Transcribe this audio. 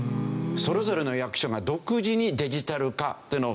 それぞれの役所が独自にデジタル化というのを。